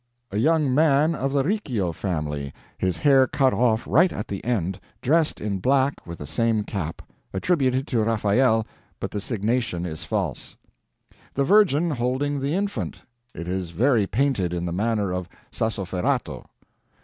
"A young man of the Riccio family, his hair cut off right at the end, dressed in black with the same cap. Attributed to Raphael, but the signation is false." "The Virgin holding the Infant. It is very painted in the manner of Sassoferrato."